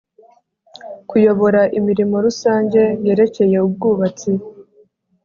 kuyobora imirimo rusange yerekeye ubwubatsi